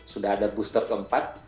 sudah ada booster keempat